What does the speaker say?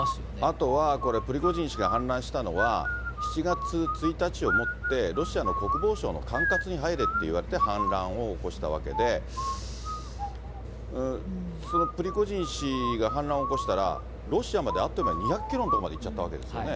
あとは、プリゴジン氏が反乱したのは、７月１日をもってロシアの国防省の管轄に入れって言われて反乱を起こしたわけで、そのプリゴジン氏が反乱を起こしたら、ロシアまであと２００キロという所まで行っちゃったんですよね。